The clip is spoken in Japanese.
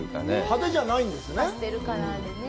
派手じゃないんですね。